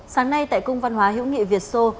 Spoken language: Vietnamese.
sáng nay tại cung văn hóa hữu nghị việt sô